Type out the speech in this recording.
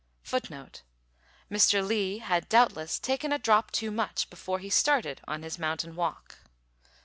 FOOTNOTE: Mr. Li had, doubtless, taken a "drop too much" before he started on his mountain walk.